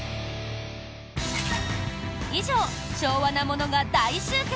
以上、昭和なものが大集結！